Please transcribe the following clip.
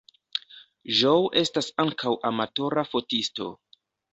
Joe estas ankaŭ amatora fotisto.